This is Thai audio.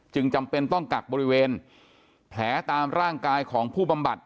จำเป็นต้องกักบริเวณแผลตามร่างกายของผู้บำบัด